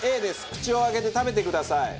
口を開けて食べてください。